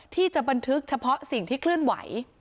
ที่จะบันทึกเฉพาะสิ่งที่เคลื่อนไหว